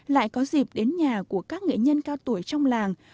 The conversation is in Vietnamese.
lại có dịp đến nhà của các nghệ nhân cao tuổi trong làng